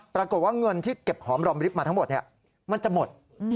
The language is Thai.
ปรากฏว่าเงินที่เก็บหอมรอมริฟต์มาทั้งหมดมันจะหมด